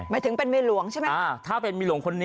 หมายถึงเป็นเมลวงใช่ไหม